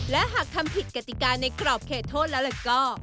และหากทำผิดกติกาในกรอบเขตโทษแล้วก็